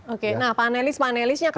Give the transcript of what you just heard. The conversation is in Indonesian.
oke nah panelis panelisnya